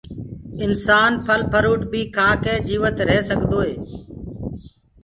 انسآن ڦل ڦروٽ بي کآڪي جيوت ريه سگدوئي